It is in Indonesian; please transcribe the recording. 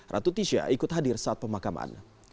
ratu tisha ikut hadir saat pemakaman